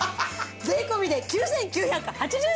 税込で９９８０円！